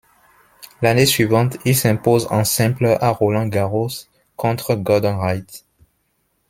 L'année suivante, il s'impose en simple à Roland-Garros contre Gordon Reid.